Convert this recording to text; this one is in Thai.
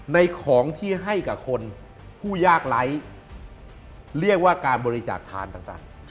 ในของที่ให้กับคนผู้ยากไร้เรียกว่าการบริจาคทานต่าง